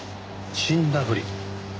死んだふり？